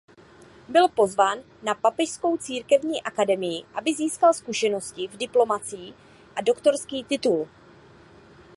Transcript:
Byl pozván na Papežskou církevní akademii aby získal zkušenosti v diplomacii a doktorský titul.